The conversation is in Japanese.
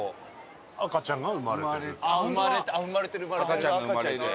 赤ちゃんが生まれて。